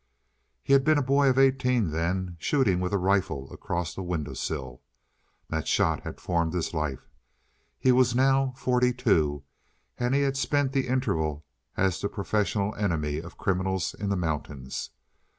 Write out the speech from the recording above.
He had been a boy of eighteen then, shooting with a rifle across a window sill. That shot had formed his life. He was now forty two and he had spent the interval as the professional enemy of criminals in the mountains.